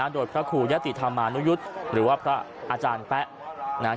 โดยพระคู่ยติธามานุยุฑหรือว่าพระอาจารย์แป๊ะ